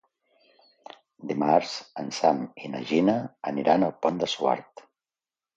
Dimarts en Sam i na Gina aniran al Pont de Suert.